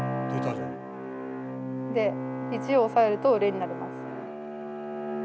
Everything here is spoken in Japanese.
で１を押さえるとレになります。